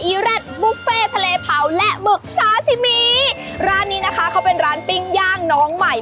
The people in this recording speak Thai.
เร็ดบุฟเฟ่ทะเลเผาและหมึกซาซิมีร้านนี้นะคะเขาเป็นร้านปิ้งย่างน้องใหม่